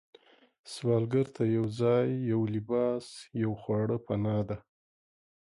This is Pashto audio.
سوالګر ته یو ځای، یو لباس، یو خواړه پناه ده